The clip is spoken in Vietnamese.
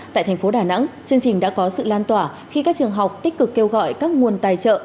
tại thành phố đà nẵng chương trình đã có sự lan tỏa khi các trường học tích cực kêu gọi các nguồn tài trợ